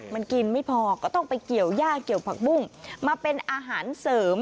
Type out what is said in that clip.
มันกินไม่พอก็ต้องไปเกี่ยวย่าเกี่ยวผักบุ้งมาเป็นอาหารเสริม